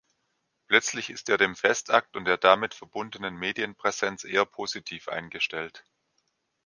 Plötzlich ist er dem Festakt und der damit verbundenen Medienpräsenz eher positiv eingestellt.